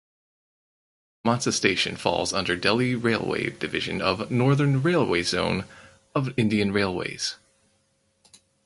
Mansa station falls under Delhi railway division of Northern Railway zone of Indian Railways.